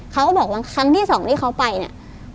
เขาก็บอกว่าครั้งที่สองที่เขาไปเนี่ย